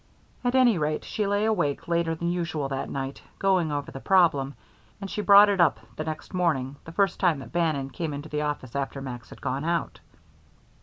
At any rate, she lay awake later than usual that night, going over the problem, and she brought it up, the next morning, the first time that Bannon came into the office after Max had gone out.